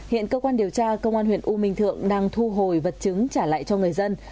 hiện cơ quan điều tra công an huyện u minh thượng đang thu hồi vật chứng trả lại cho người dân